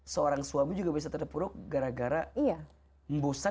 seorang suami juga bisa terpuruk gara gara membosan